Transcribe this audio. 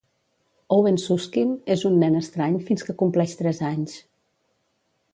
Owen Suskind és un nen estrany fins que compleix tres anys.